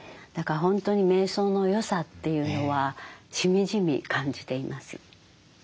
だから本当にめい想の良さというのはしみじみ感じています。